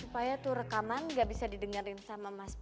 supaya tuh rekaman gak bisa didengerin sama mas b